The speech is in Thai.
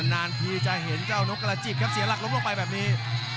นานพี่จะเห็นเจ้านกระจิบเสียหลักลงลงไปแบบนี้